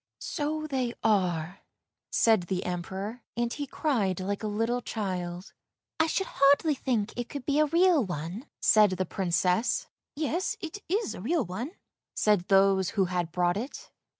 " So they are," said the Emperor, and he cried like a little child. " I should hardly think it could be a real one," said the Princess. " Yes, it is a real one," said those who had brought it.